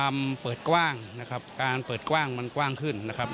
มันเปิดกว้างมันกว้างขึ้นนะครับ